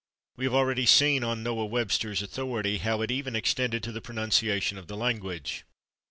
We have already seen, on Noah Webster's authority, how it even extended to the pronunciation of the language.